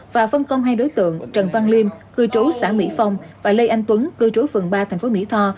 và phân công hai đối tượng trần văn liêm cư trú xã mỹ phong và lê anh tuấn cư trú phường ba thành phố mỹ tho